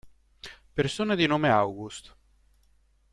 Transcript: Persone di nome August